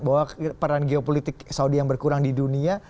bahwa peran geopolitik saudi yang berkurang di dunia